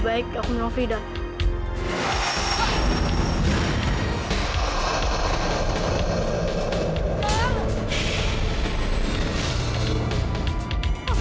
baik dokum no labor